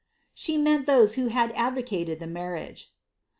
"' She meant those who had advocated the inai riage.